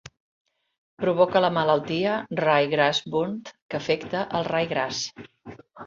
Provoca la malaltia "Ryegrass bunt", que afecta el raigràs.